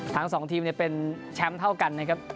ทั้งสองทีมเป็นแชมป์เท่ากันนะครับ